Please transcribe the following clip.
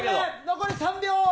残り３秒。